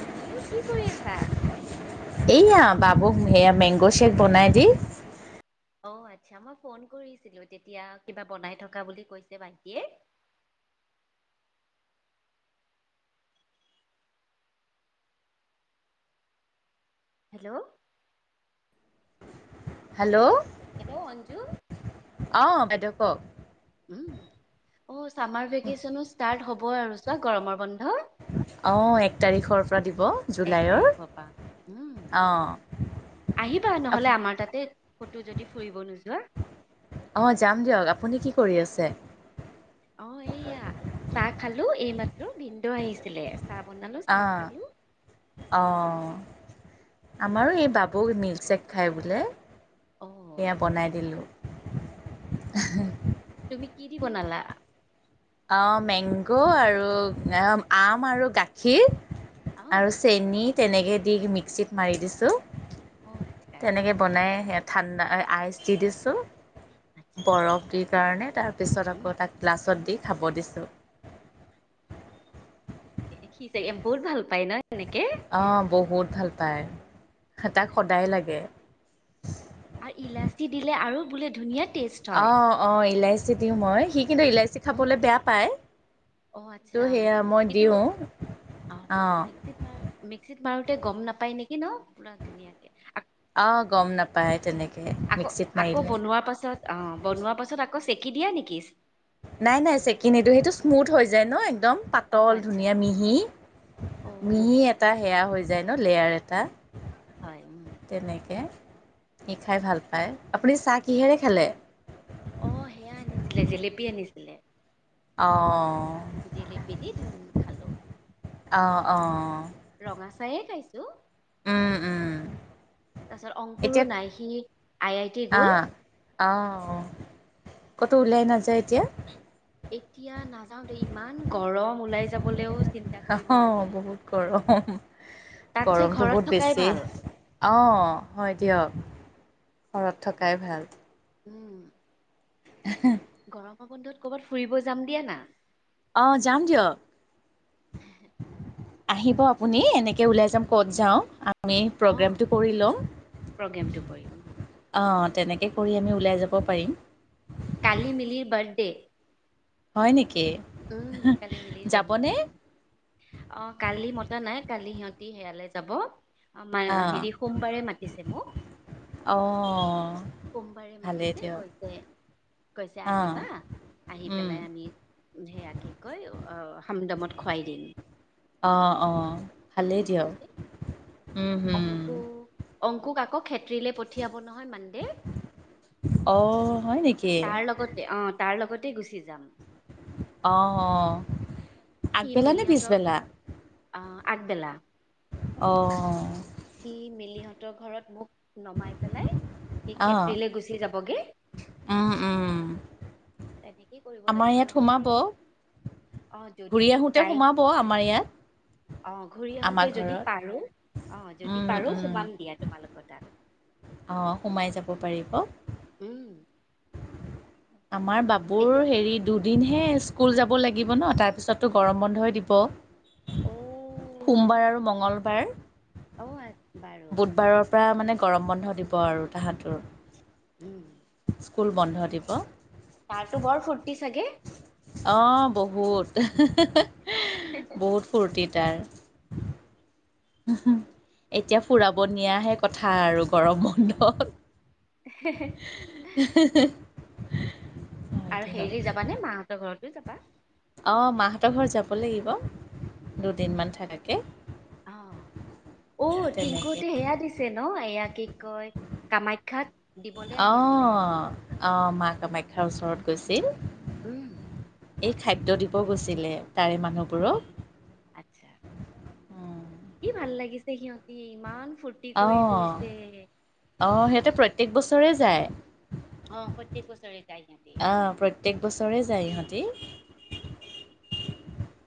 অঞ্জু কি কৰি আছা? এইয়া বাবুক সেয়া মেংগ শ্বেক বনাই দি। অ' আচ্ছা, মই ফোন কৰিছিলোঁ। তেতিয়া কিবা বনাই থকা বুলি কৈছে ভাইটিয়ে। [inaudible] হেল্ল' হেল্ল' হেল্ল' অঞ্জু ক'ৰ উম, অ' চামাৰ ভেকেচনো ষ্টাৰ্ট হ'ব আৰু চোৱা গৰমৰ বন্ধ [unintelligible] অঁ এক তাৰিখৰ পৰা দিব, এক জুলাই অৰ তাৰিখৰ পৰা। উম আহিবা নহ'লে, আমাৰ তাতে কটো যদি ফুৰিব নোযোৱা। অ' যাম দিয়ক, আপুনি কি কৰি আছে? অ' এইয়া চাহ খালোঁ, এই মাত্ৰ ভিন্নদে আহিছিলে। চাহ বনালো চাহ খালো। আহ অহ'। আমাৰো এই বাবুক মিল চেক খায় বোলে, অ এয়া বনাই দিলোঁ। এশেহ তুমি কি দি বনালা? অ' মেংগো আৰু আম আৰু গাখীৰ। অ আৰু চেনি তেনেকৈ দি মিক্সিত মাৰি দিছোঁ। অ আচ্ছা তেনেকে বনাই ঠাণ্ডা আইচ দি দিছোঁ। আচ্ছা বৰফ দি কাৰণে তাৰপিছত উম। আকৌ তাক গিলাছত দি খাব দিছোঁ। সি চাগে বহুত ভাল পায় ন এনেকে। অহ' বহুত ভাল পায়, তাক সদায় লাগে। আৰু ইলাচি দিলে আৰু বোলে ধুনীয়া টেষ্ট হয়। আহ অ' ইলাইচি দিওঁ মই সি কিন্তু ইলাচি খাবলৈ উম। বেয়া পায়। অ' কিন্তু আচ্ছা, সেয়া মই কিন্তু দিওঁ আহ অঁ মিক্সিত মা মিক্সিত মাৰুতে গোটে গ'ম নাপায় নেকি ন পুৰা ধুনীয়াকে। অ' গ'ম নাপায়াই তেনেকে। আকৌ, আকৌ, বনোৱাৰ পাছত অ' বনোৱাৰ পাছত আকৌ চেকি দিয়া নেকি? নাই নাই চেকি নিদিওঁ, সেইটো স্মুথ হৈ যায় নৈয়ে। একদম অ' পাতল আচ্ছা ধুনীয়া মিহি, অ' মিহি এটা সেয়া হৈ যা ডিজাইন লেয়াৰ এটা, হয় উম তেনেকে। সি খাই ভাল পায়, আপুনি চাহ কিহেৰে খালে? অ' সেয়া আনিছিলে, জেলেপী আনিছিলে। অ'হ। জেলেপি দি খালো। অ' অ'। ৰঙা চাহয়ে খাইছো। উম, উম। তাৰপিছত অংকুৰো এতিয়া, নাই সি আই আই টি গ'ল আহ অ' অ'। ক'তো ওলাই নাযায় এতিয়া? এতিয়া নাযাও দে। ইমান গৰম ওলাই যাবলৈও চিন্তা কৰিব অ' লাগে। বহুত গৰম, তাতছে গৰমটো ঘৰত বহুত থকাই বেছি। ভাল অ' হয় দিয়ক। ঘৰত থকাই ভাল। উম। [unintelligible] গৰমৰ বন্ধত কৰ'বাত ফুৰিব যাম দিয়া না। আহ, যাম দিয়ক। আহিব আপুনি, এনেকে ওলাই যাম ক'ত যাওঁ, আ আমি অ প্ৰগ্ৰেমটো কৰি ল'ম, প্ৰগ্ৰেমটো কৰিম অ'। তেনেকে কৰি আমি ওলাই যাব পাৰিম। কালি মিলিৰ বাৰ্থডে। হয় নেকি? উম। কালি মিলিৰ যাবনে? জন্মদিন। অ'কালি মতা নাই। কালি সিহঁত া সেয়ালৈ যাব, আমাৰ অ' হেৰি সোমবাৰে মাতিছে মোক। অ' সোমবাৰে ভালেই মাতিছে, দিয়ক। কৈছে কৈছে অ' আহিবা, আহি উম, পেলাই আমি সেয়া কি কয় অ' হামদামত খোৱাই দিম। অ' অ', ভালেই তেনেকে দিয়ক, কৈছে উম, হম। অংকু অংকুক আকৌ খেত্ৰিলে পঠিয়াব নহয় মানে অ' হয় নেকি? তাৰ লগতে অ, তাৰ লগতে গুচি যাম। অহ, সি আগবেলা নে মিলিহঁতক পিছবেলা? আহ আগবেলা অ', সি মিলিহঁতৰ ঘৰত মোক নমাই পেলাই সি অ' খেত্ৰিলে গুচি যাবগে। উম উম তেনেকেই কৰিব আমাৰ লাগিব ইয়াত নহ'লে আৰু সোমাব। অ ঘূৰি আহোঁতে সোমাব আমাৰ ইয়াত আহ ঘূৰি আমাৰ আহোতে যদি ঘৰত পাৰো আহ যদি উম, পাৰো উম, সুমাম দিয়া তোমালোকৰ তাত অ সোমাই যাব পাৰিব উম আমাৰ বাবুৰ এতিয়া হেৰি দুদিন হে স্কুল যাব লাগিব ন তাৰপিছতো গৰম বন্ধই দিব অ সোমবাৰ আৰু মঙ্গলবাৰ অ বাৰু উম মানে গৰম বন্ধ দিব আৰু তাহাঁতৰ উম স্কুল বন্ধ দিব তাৰতো বৰ ফুৰ্তি চাগে অ বহুত-বহুত ফূুৰ্তিত তাৰ এতিয়া ফুৰাব নিয়াহে কথা আৰু গৰম বন্ধত। [unintelligible] আৰু দিয়ক। হেৰিলৈ যাবা নে মাহঁতৰ ঘৰতো যাবা? অ মাহঁতৰ ঘৰ যাব লাগিব দুদিনমান থাকাকে। অ' অ', তেনেকে টিংকুহতে সেয়া দিছে ন এয়া কি কয় কামাখ্যাত দিবলৈ আহিছিলে অঁহ-অঁহ মা কামাখ্যাৰ ওচৰত গৈছিল। উম। এই খাদ্য দিব গৈছিলে তাৰে অ মানুহবোৰক। আচ্ছা উম। কি ভাল লাগিছে সিহঁতি ইমান ফূৰ্তি কৰি গৈছে অঁহ-অঁহ সেইটো প্ৰত্যেক বছৰে যায়। অ প্ৰত্যেক বছৰে যায় সিহঁতি আহ প্ৰত্যেক বছৰে যায় ইহঁত। টি [unintelligible]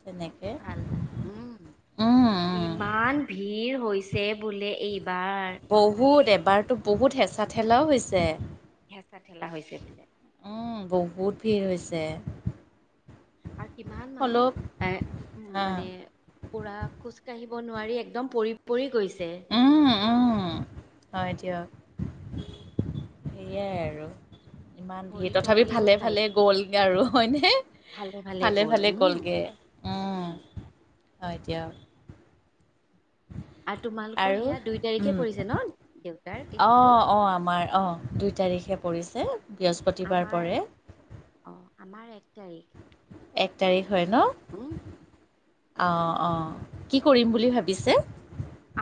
ভাল লাগে উম, উম উম ইমান ভিৰ হৈছে বোলে এই বহুত এবাৰতো বহুত হেঁচা-ঠেলাও হৈছে। হেঁচা-ঠেলা হৈছে বোলে। উম বহুত ভিৰ হৈছে। আৰু কিমান মানুহ অলপ এ উম আহ মানে উৰা খোজকাঢ়িব নোৱাৰি একদম পৰি-পৰি গৈছে অ হয় দিয়ক সেয়াই আৰু ইমান ভৰি ভিৰ তথাপি থবলৈও ঠাই ভালে-ভালে গ'লগে আৰু হয়নে ভালে ভালে গ'ল ভালে-ভালে উম গ'লগে উম এতিয়া আৰু তোমালোকৰ আৰু সেয়া দুই তাৰিখে পৰিছে উম, ন দেউতাৰ তিথিটো অ-অ আমাৰ অ, দুই তাৰিখে পৰিছে। বৃহস্পতিবাৰ আমাৰ পৰে অ, আমাৰ এক তাৰিখ এক তাৰিখ হয় ন। উম, অ-অ কি কৰিম বুলি ভাবিছে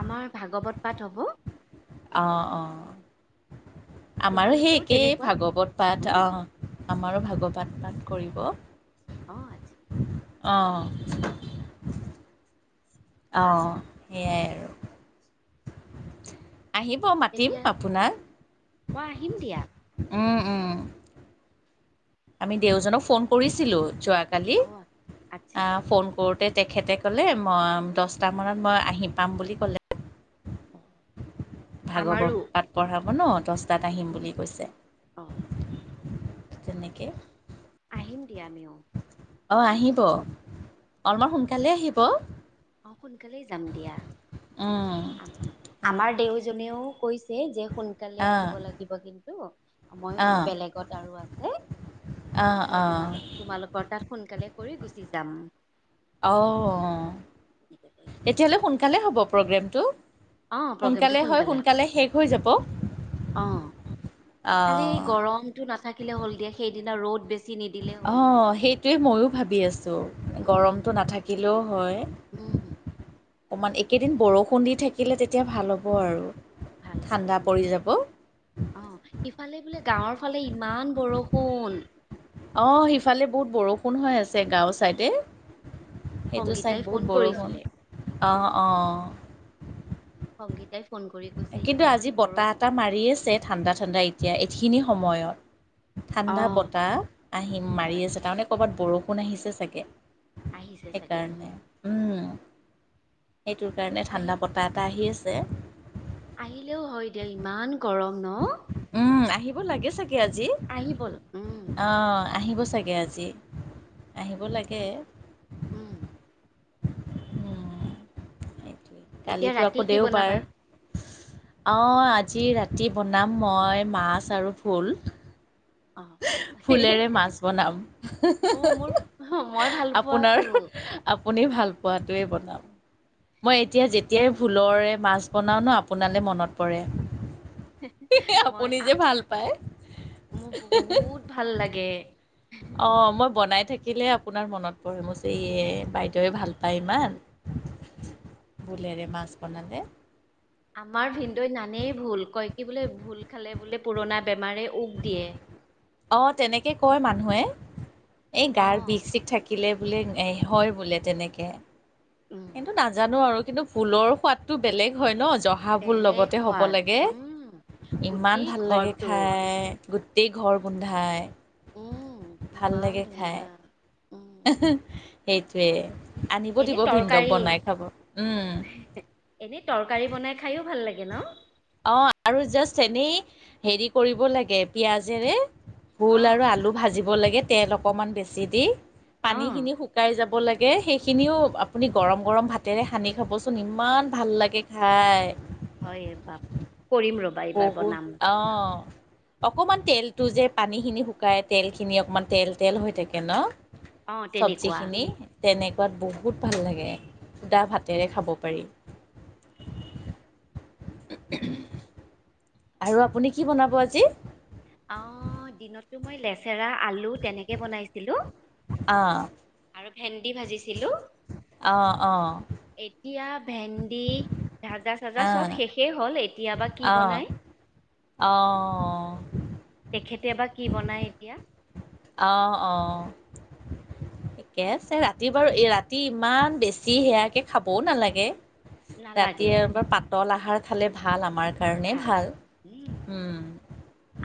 আমাৰ ভাগৱত পাঠ হ'ব। অ' অ'। আমাৰো সেই তোমালোকেও একেই তেনেকুৱা ভাগৱত পাঠ, উম আহ আমাৰো ভাগৱত পাঠ কৰিব। অ' আচ্ছা। অ'। অ' সেয়াই আৰু। আহিব মাতিম তেতিয়া আপোনাক, মই আহিম দিয়া উম উম। আমি দেজনক ফোন কৰিছিলোি যোৱা কালি, অ আচ্ছা অ' ফোন কৰ তেখেতে ক'লে মই দহটা মানত মই আহি পাম বুলি ক'লে। অ ভাগৱত আমাৰো পাঠ পঢ়াব ন দহ তাত আহিম উম বুলি কৈছে, অ তেনেকেই আহিম দিয়া আমিও। অ' আহিব, অলপমান সোনকালে আহিব। অ' সোনকালেই যাম দিয়া। আম সেনে আমাৰ দেউজনেও কৈছে যে সোনকালে অঁ আহিব লাগিব কিন্তু, মই অঁ বেলেগত আৰু আছে অঁ অঁ মই তোমালোক তোমালোকৰ তাত সোনকালে কৰি গুচি যাম। অ' অ' এনেকে কৈছে তেতিয়াহ'লে সোনকালে হ'ব প্ৰগ্ৰেমটো? অ প্ৰগ্ৰেমটো সোনকালে হয় হ'ব। সোনকালে শেষ হৈ যাব? অ' খালি অঁ গৰমটো নাথাকিলে হ'ল দিয়া, সেইদিনা ৰ'দ বেছি নিদিলে হ'ল অ' সেইটোৱে ময়ো ভাবি আছো, উম গৰমটো নাথাকিলেও হয়। উম হম। অকণমান একেদিন বৰষুণ দি থাকিলে তেতিয়া ভাল হ'ব আৰু। ভাল হব ঠাণ্ডা উম, পৰি যাব অ' সিফালে বোলে গাঁৱৰ ফালে ইমান বৰষুণ অ' সিফালে বহুত বৰষুণ হৈ আছে গাঁও ছাইডে। সেইটো ছাইড সংগীতাই ফোন বহুত বৰষুণ, কৰিছিলে অ' অ'। সংগীতাই ফোন কৰি কৈছে কিন্তু ইমান আজি বতাহ বৰষুণ এটা মাৰি আছে ঠাণ্ডা ঠাণ্ডা এতিয়া এইখিনি সময়ত। অ ঠাণ্ডা বতাহ আহিম মাৰি হয় আছে তাৰমানে কৰ'বাত বৰষুণ আহিছে চাগে। আহিছে চাগে উম সেইকাৰণে উম। সেইটোৰ কাৰণে আহি ঠাণ্ডা বতাহ এটা আহি আছে। আহিলেও হয় দিয়া ইমান গৰম ন। উম আহিব লাগে চাগে আজি, আহিব ল উম আহ আহিব। চাগে আজি আহিব লাগে উম। অ'। এতিয়া কালিতো ৰাতি আকৌ কি দেওবাৰ। বনাবা অ' আজি ৰাতি বনাম মই মাছ আৰু ফুল। অ ফুলেৰে মাছ বনাম। অ মোৰ মই ভাল পোৱাতো আপোনাৰ? আপুনি ভাল পোৱাটোৱেই বনাম। মই এতিয়া যেতিয়াই ফুলেৰে মাছ বনাও ন আপোনালৈ মনত পৰে। আপুনি মই যে ভাল পায়। মোৰ বহুত ভাল লাগে। অ' মই বনাই থাকিলে আপোনাৰ মনত পৰে মোৰ বাইদেউৱে ভাল পাই ইমান ভোলেৰে মাছ বনালে। আমাৰ ভিনদৈত নানেই ভোল কয় কি বোলে ভোল খালে বোলে পুৰণা বেমাৰে উগ দিয়ে। অ' তেনেকে কয় মানুহে। এই গাৰ অ', বিষ চিষ থাকে শিকিলে বোলে হয় বোলে তেনেকে, উম, কিন্তু নাজানো আৰু কিন্তু ভোলৰ সোৱাদতটো বেলেগ হয় ন? জহা ভূল বেলেগ লগতে হ'ব সোৱাদ লাগে উম। ইমান গোটেই ভাল লাগে ঘৰটো খাই গোটেই ঘৰ গোন্ধাই উম ম ত নিয়া সেইটোৱে আনিব এনে দিব ভিনদৌক তৰকাৰী বনাই খাব উম এনে তৰকাৰী বনাই খাইও ভাল লাগে ন? অ আৰু যাচ এনেই হেৰি কৰিব লাগে পিয়াজেৰে ভূল অ', আৰু আলু ভাজিব [unintelligible] [unintelligible] অ', সেইখিনিও আপুনি গৰম গৰম ভাতেৰে সানি খাবচোন ইমান ভাল লাগে খাই হয় এইবাৰ কৰিম ৰবা এইবাৰ বহুত বনাম অঁ অকণমান তেলটো যে পানীখিনি শুকাই তেলখিনি অকমান তেল তেল হৈ থাকে ন অ', তেনেকুৱা। চব্জিখিনি তেনেকুৱাত বহুত ভাল লাগে সুধা ভাতেৰে খাব পাৰি [unintelligible] আৰু আপুনি কি বনাব আজি টো মই লেচেৰা আলু তেনেকে বনাইছিলো অঁ ভেন্দি ভাজিছিলো আহ অ'। ভেন্দি ভাজা চাজা চব অঁ শেষেই হ'ল এতিয়া বা কি বনাই আহ এতিয়া বা কি বনাই এতিয়া অ অঁ থিকে আছে ৰাতি বাৰু ৰাতি ইমান বেছি সেয়াকে খাবও নালাগে নালাগে ৰাতিয়ে এবাৰ পাতল আহাৰ খালে ভাল আমাৰ কাৰণে ভাল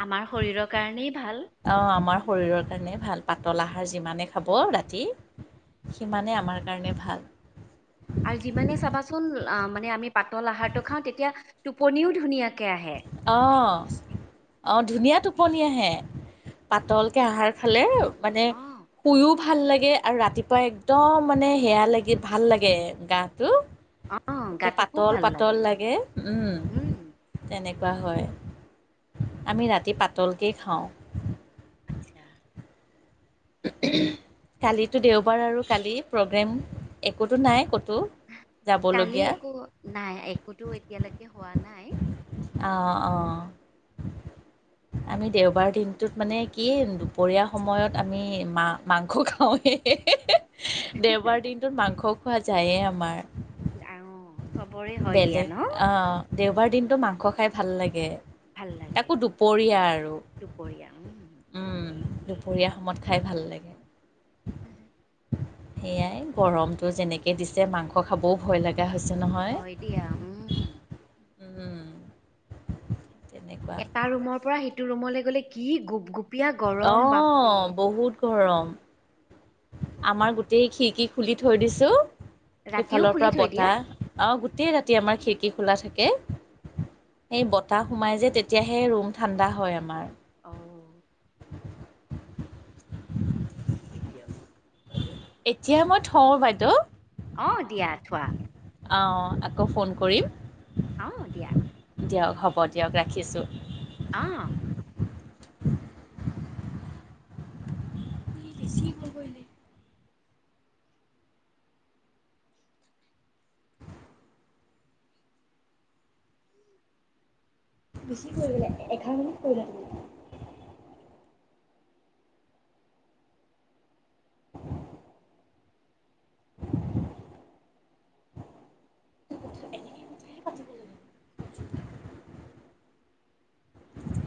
আমাৰ শৰীৰৰ কাৰণেই ভাল অ' আমাৰ শৰীৰৰ কাৰণে ভাল। পাতল আহাৰ যিমানে খাব ৰাতি সিমানেই আমাৰ কাৰণে ভাল। আৰু যিমানে চাবাচোন মানে আমি পাতল আহাৰটো খাওঁ তেতিয়া টোপনিও ধুনীয়া অ অ ধুনীয়া টোপনি আহে পাতল কে আহাৰ খালে মানে অ শুইও ভাল লাগে আৰু ৰাতিপুৱা একদম মানে সেয়া লাগি ভাল লাগে গাটো অ এতিয়া গাটো খুব পাতল ভাল পাতল লাগে উম তেনেকে হয়, আমি ৰাতি পাতলকেই খাওঁ। আচ্ছা। কালিতো দেওবাৰ আৰু কালি প্ৰগ্ৰেম একোতো নাই ক কালি একো নাই একোতো এতিয়ালৈকে হোৱা নাই। অঁ অঁ। আমি দেওবাৰ দিনটোত মানে কি দুপৰীয়া সময়ত আমি মা মাংস খাওঁ। দেওবাৰ দিনটোত মাংস খোৱা যায়েই আমাৰ। আৰু চবৰে হয় দিয়া বেলেগ ন আহ দেওবাৰ দিনটো মাংস খাই ভাল লাগে। ভাল লাগে তাকো দুপৰীয়া আৰু দুপৰীয়া। উম, দুপৰীয়া সময়ত খাই ভাল লাগে। হম। সেয়াই গৰমটো যেনেকে দিছে মাংস খাবও ভয় লাগে। হয় দিয়া উম হম। উম। তেনেকুৱা এটা ৰুমৰ পৰা সেইটো ৰুমলৈ গ'লে কি গুপ গুপ অ বহুত গৰম, আমাৰ গোটেই খিৰিকী খুলি থৈ দিছো। ৰাতিও সেইফালৰ খুলি পৰা থৈ দিয়া বতাহ অ গোটেই ৰাতি আমাৰ খিৰিকী খোলা থাকে। সেই বতাহ সোমাই যে তেতিয়াহে ৰুম ঠাণ্ডা হয় আমাৰ। অ এতিয়া মই থওঁ বাইদেউ। অ' দিয়া থোৱা। অ' আকৌ ফোন কৰিম। অ' দিয়া। দিয় হ'ব দিয়ক ৰাখিছো। অ [inaudible] বেছি কৰিলে এঘাৰ মিনিট কৰিব। [inaudible] [inaudible] কথা এনেহে পাতিব লাগে। [inaudible]